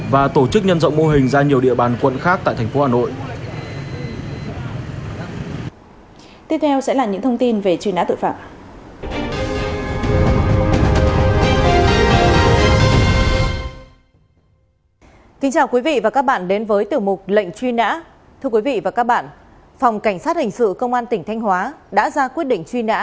và tổ chức nhân rộng mô hình ra nhiều địa bàn quận khác tại tp hà nội